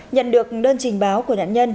nhận được đơn trình báo của nhận nhân